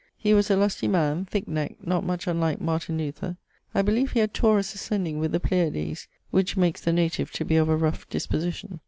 He was a lusty man, thick neck, not much unlike Martyn Luther. I beleeve he had Taurus ascending with the Pleiades, which makes the native to be of a rough disposition.